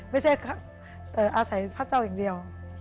ไม่ใช่อาศัยพระเจ้าอย่างเดียว